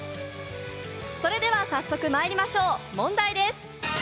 それでは早速まいりましょう、問題です。